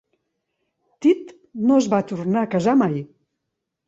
Tit no es va tornar a casar mai.